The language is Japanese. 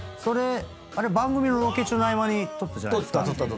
あれ番組のロケ中の合間に撮ったじゃないですか。